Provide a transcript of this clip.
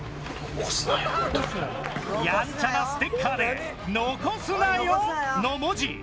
ヤンチャなステッカーで「のこすなよ」の文字。